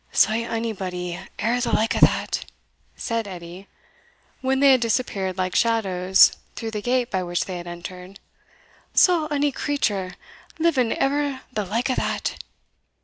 "Saw onybody e'er the like o' that!" said Edie, when they had disappeared like shadows through the gate by which they had entered "saw ony creature living e'er the like o' that!